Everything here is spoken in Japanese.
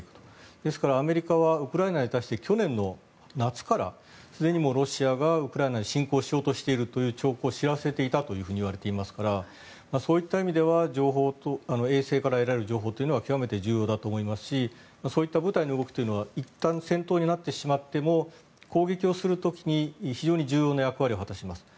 ですから、アメリカはウクライナに対して去年の夏からすでにもうロシアがウクライナに侵攻しようとしているという情報を知らせていたといわれていますからそういった意味では衛星から得られる情報というのは極めて重要だと思いますしそういった部隊の動きというのはいったん戦闘になってしまっても攻撃をする時に非常に重要な役割を果たします。